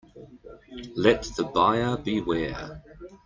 Let the buyer beware.